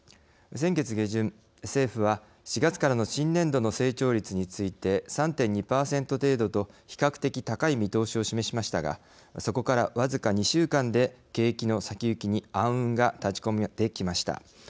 先月下旬、政府は４月からの新年度の成長率について、３．２％程度と比較的高い見通しを示しましたがそこから、僅か２週間で景気の先行きに暗雲が立ち込めてきました。